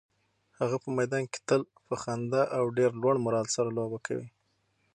هغه په میدان کې تل په خندا او ډېر لوړ مورال سره لوبه کوي.